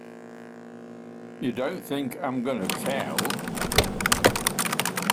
You don't think I'm gonna tell!